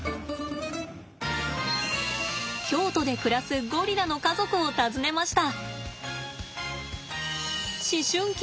京都で暮らすゴリラの家族を訪ねました。